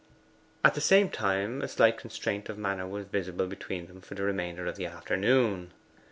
At the same time a slight constraint of manner was visible between them for the remainder of the afternoon.